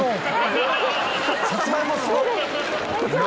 さつまいもすごっ！